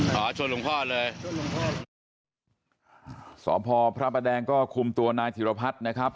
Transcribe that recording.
สอบพพระแบรนดิ์ก็คุมตัวนายถิรพัทธ์นะครับ